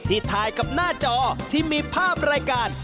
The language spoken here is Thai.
ถ่ายกับหน้าจอที่มีภาพรายการ